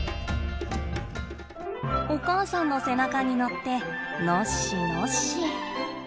お母さんの背中に乗ってノッシノッシ。